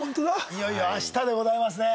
いよいよ明日でございますね。